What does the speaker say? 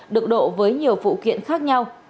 được độ với nhiều phụ kiện khác nhau